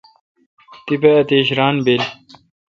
تیپہ اتیش ران بل۔